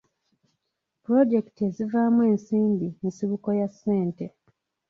Pulojekiti ezivaamu ensimbi nsibuko ya ssente.